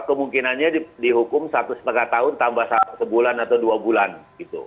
kemungkinannya dihukum satu setengah tahun tambah sebulan atau dua bulan gitu